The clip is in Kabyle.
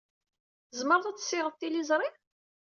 Tzemreḍ ad tessiɣeḍ tiliẓri?